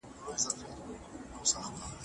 چي پر تا مېلمه اجل وي زه به څنګه غزل لیکم